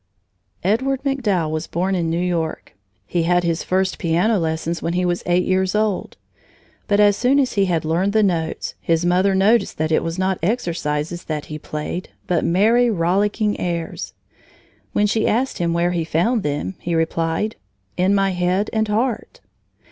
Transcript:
Edward MacDowell was born in New York. He had his first piano lessons when he was eight years old. But as soon as he had learned the notes, his mother noticed that it was not exercises that he played, but merry, rollicking airs. When she asked him where he found them, he replied: "In my head and heart."